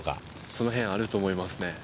◆その辺はあると思いますね。